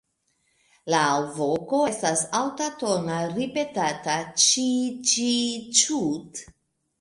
La alvoko estas altatona ripetata "ĉii-ĉii-ĉuut".